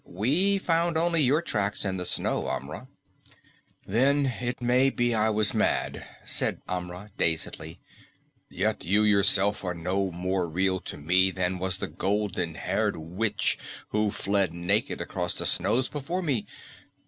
"We found only your tracks in the snow, Amra." "Then it may be I was mad," said Amra dazedly. "Yet you yourself are no more real to me than was the golden haired witch who fled naked across the snows before me.